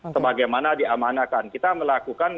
sebagaimana diamanakan kita melakukan